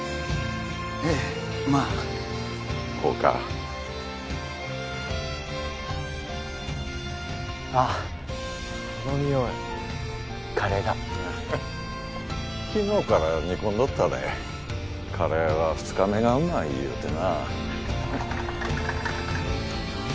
ええまあほうかあッこの匂いカレーだ昨日から煮込んどったでカレーは二日目がうまい言うてな